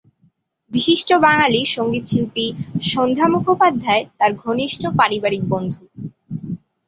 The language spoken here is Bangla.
বিশিষ্ট বাঙালি সংগীতশিল্পী সন্ধ্যা মুখোপাধ্যায় তার ঘনিষ্ঠ পারিবারিক বন্ধু।